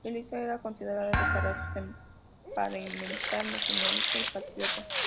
Elisa era considerada de carácter temperamental, nacionalista y patriota.